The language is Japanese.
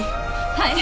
はい。